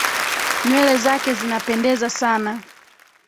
Nywele zake zinapendeza sana.